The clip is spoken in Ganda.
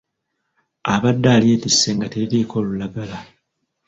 Abadde alyetisse nga teririiko lulagala.